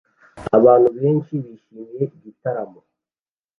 Abantu benshi bishimira igitaramo